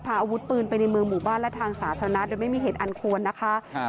อาวุธปืนไปในเมืองหมู่บ้านและทางสาธารณะโดยไม่มีเหตุอันควรนะคะครับ